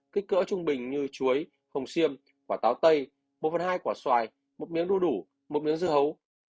kích cỡ trung bình như chuối hồng xiêm quả táo tây một phần hai quả xoài một miếng đu đủ một miếng dưa hấu